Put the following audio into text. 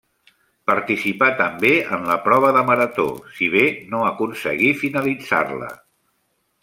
Participà també en la prova de marató, si bé no aconseguí finalitzar-la.